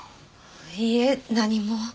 いいえ何も。